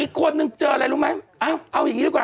อีกคนนึงเจออะไรรู้ไหมเอาอย่างนี้ดีกว่า